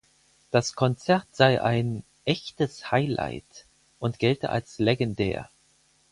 Das Konzert sei ein „echtes Highlight“ und gelte als legendär.